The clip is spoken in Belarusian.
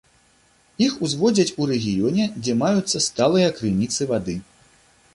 Іх узводзяць у рэгіёне, дзе маюцца сталыя крыніцы вады.